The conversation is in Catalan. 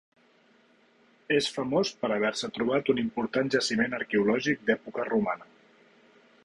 És famós per haver-se trobat un important jaciment arqueològic d'època romana.